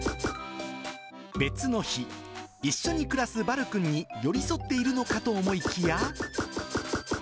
別の日、一緒に暮らすバルくんに寄り添っているのかと思いきや。